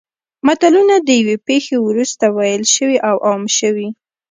متلونه د یوې پېښې وروسته ویل شوي او عام شوي